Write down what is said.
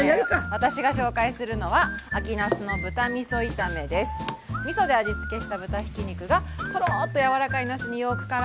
私が紹介するのはみそで味付けした豚ひき肉がトローッと柔らかいなすによくからみます。